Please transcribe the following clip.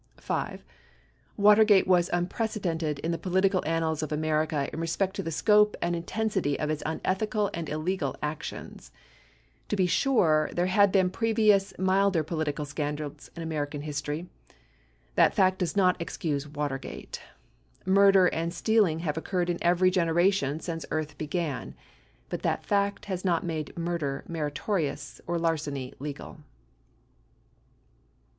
5. Watergate was unprecedented in the political annals of America in respect to the scope and intensity of its unethical and illegal actions. To be sure, there had been previous milder political scandals in Amer ican history. That fact does not excuse Watergate. Murder and steal ing have occurred in every generation since Earth began, but that fact has not made murder meritorious or larceny legal.